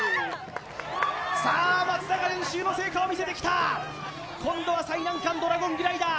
さあ松田が練習の成果を見せてきた今度は最難関ドラゴングライダー